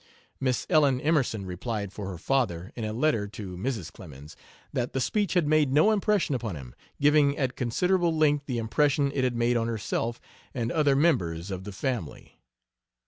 Miss Ellen Emerson replied for her father (in a letter to Mrs. Clemens) that the speech had made no impression upon him, giving at considerable length the impression it had made on herself and other members of the family.